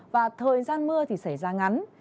và thời gian mưa thì xảy ra ngắn